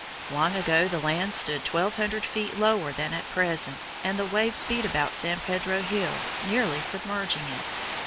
Long ago the land stood twelve hundred feet lower than at present, and the waves beat about San Pedro Hill, nearly submerging it.